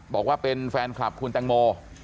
บอกว่าเป็นแฟนคลับคุณแตงโม